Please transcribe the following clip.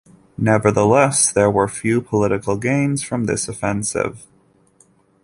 Nevertheless, there were few practical gains from this offensive.